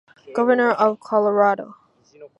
Governor of Colorado.